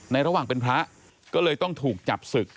ระหว่างเป็นพระก็เลยต้องถูกจับศึก